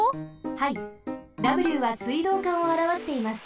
はいＷは水道管をあらわしています。